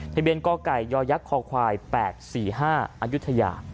ทะเบียนก้อกไก่ยอยักษ์คอควาย๘๔๕อยุทยา